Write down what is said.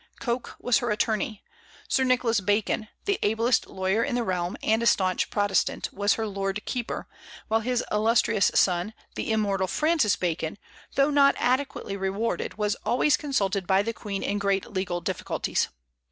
Coke was her attorney. Sir Nicholas Bacon the ablest lawyer in the realm, and a stanch Protestant was her lord keeper; while his illustrious son, the immortal Francis Bacon, though not adequately rewarded, was always consulted by the Queen in great legal difficulties.